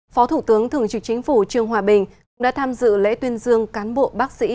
phó thủ tướng thường trực chính phủ trương hòa bình cũng đã tham dự lễ tuyên dương cán bộ bác sĩ